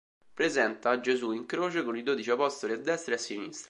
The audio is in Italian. Presenta Gesù in croce con i dodici apostoli a destra e a sinistra.